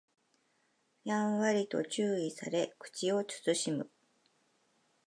やんわりと注意され口を慎む